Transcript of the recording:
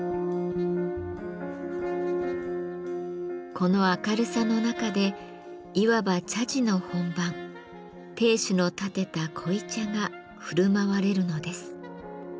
この明るさの中でいわば茶事の本番亭主のたてた濃茶がふるまわれるのです。